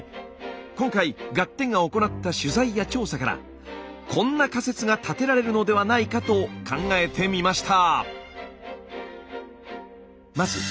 今回「ガッテン！」が行った取材や調査からこんな仮説が立てられるのではないかと考えてみました。